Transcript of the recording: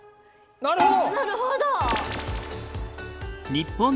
なるほど！